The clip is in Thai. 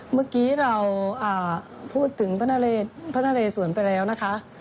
เมื่อกี้เราพูดถึงพระนเรสวนไปแล้วนะคะ